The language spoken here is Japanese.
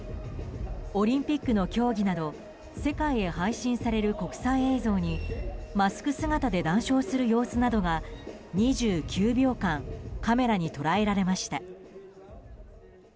オリンピックの競技など世界へ配信される国際映像にマスク姿で談笑する様子などが２９秒間カメラに捉えられました。